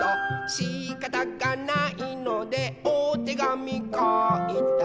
「しかたがないのでおてがみかいた」